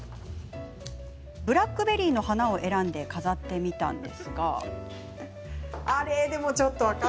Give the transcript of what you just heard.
ブラックベリーの花を選んで飾ってみたものの。